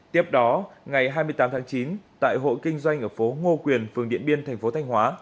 tiếp đó ngày hai mươi tám tháng chín tại hộ kinh doanh ở phố ngô quyền phường điện biên thành phố thanh hóa